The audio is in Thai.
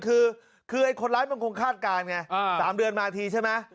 คือคนร้ายมันคงคาดการณ์ไง๓เดือนมาทีใช่ไหม